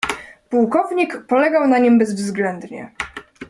"Pułkownik polegał na nim bezwzględnie."